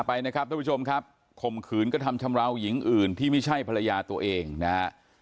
ไปนะครับท่านผู้ชมครับข่มขืนกระทำชำราวหญิงอื่นที่ไม่ใช่ภรรยาตัวเองนะฮะ